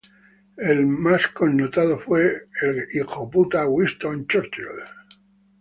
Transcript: El más connotado fue Winston Churchill.